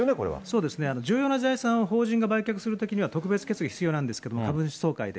そうですね、重要な財産を法人が売却するときには、特別決議必要なんですけども、株主総会で。